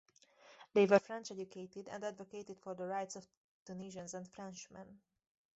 They were French-educated and advocated for the rights of Tunisians and Frenchmen.